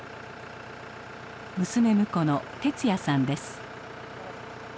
娘婿の哲也さんです。